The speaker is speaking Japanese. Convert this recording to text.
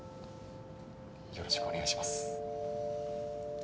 よろしくお願いします。